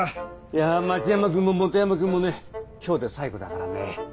いや町山君も本山君もね今日で最後だからね。